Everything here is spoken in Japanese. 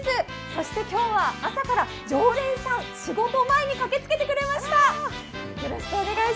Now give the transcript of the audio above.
そして今日は朝から常連さん仕事前に駆けつけてくれました。